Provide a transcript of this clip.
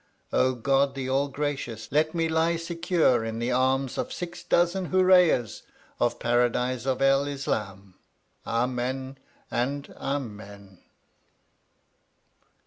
O God the All gracious, let me lie secure in the arms of six dozen hooreeyehs of Paradise of El Islam! Amen, and Amen.